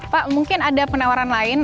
pak mungkin ada penawaran lain